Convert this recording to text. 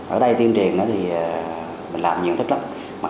ở đây tiên triền mình làm nhiều thích lắm